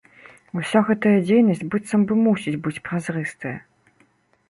Уся гэтая дзейнасць быццам бы мусіць быць празрыстая.